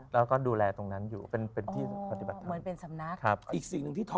แล้วก็ดูแลตรงนั้นอยู่เป็นเป็นที่คือเหมือนเป็นสำนักอีกสิ่งที่ถูก